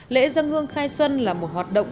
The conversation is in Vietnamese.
lễ dân hương khai xuân là một hoạt động